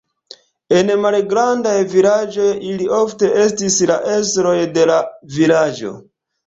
En malgrandaj vilaĝoj ili ofte estis la estroj de la vilaĝo.